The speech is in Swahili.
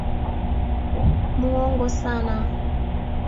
Muongo sana.